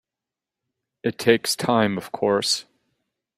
It takes time of course.